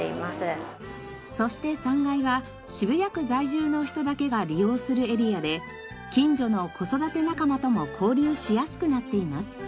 そして３階は渋谷区在住の人だけが利用するエリアで近所の子育て仲間とも交流しやすくなっています。